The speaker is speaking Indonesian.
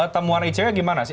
temuan ick gimana sih